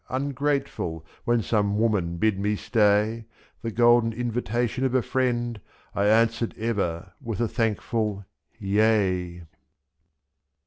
Ungrateful, when some woman bid me stay ; /saThe golden invitation of a friend 1 answered ever with a thankful "Yea."